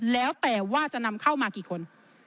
แล้วแต่ว่าจะนำเข้ามากี่คน